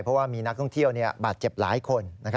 เพราะว่ามีนักท่องเที่ยวบาดเจ็บหลายคน